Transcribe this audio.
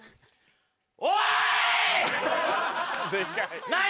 おい！